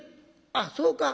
「あっそうか？